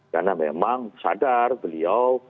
karena memang sadar beliau